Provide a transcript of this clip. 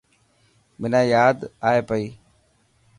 منا ياد ائي پئي.